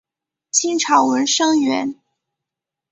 清朝文生员。